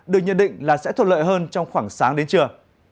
được nhận định là sẽ thuận lợi hơn trong khoảng sáng đến trưa